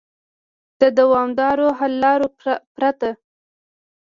د دوامدارو حل لارو پرته